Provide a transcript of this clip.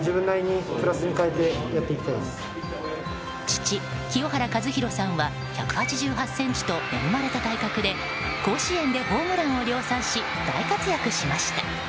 父・清原和博さんは１８８ｃｍと恵まれた体格で甲子園でホームランを量産し大活躍しました。